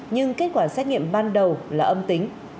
nhưng kết quả xét nghiệm ban đầu là âm tính